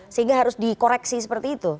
sehingga harus dikoreksi seperti itu